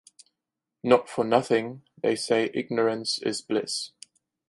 Not for nothing they say ignorance is bliss.